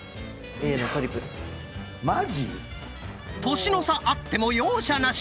⁉年の差あっても容赦なし！